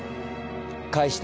返して。